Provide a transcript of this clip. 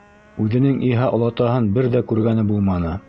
Үҙенең иһә олатаһын бер ҙә күргәне булманы.